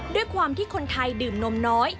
ด้วยความที่คนไทยดื่มนมน้อย